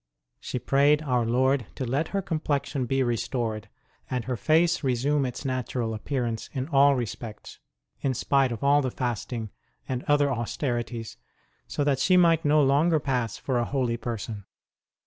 She prayed our Lord to let her complexion be restored, and her face resume its natural appearance in all respects, in spite of all the fasting and other austerities, so that she might no longer pass for a holy person.